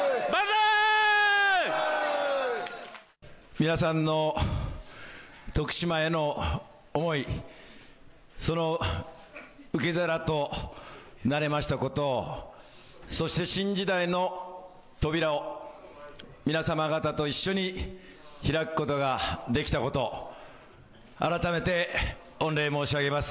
皆さんの徳島への思い、その受け皿となれましたこと、そして、新時代の扉を皆様方と一緒に開くことができたこと、改めて、御礼申し上げます。